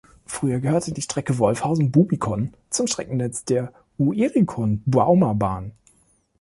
Früher gehörte die Strecke Wolfhausen-Bubikon zum Streckennetz der Uerikon-Bauma-Bahn.